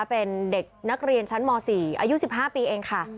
เป็นเด็กนักเรียนชั้นม๔อายุ๑๕ปีเองค่ะ